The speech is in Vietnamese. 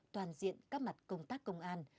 toàn diện các mặt công tác công an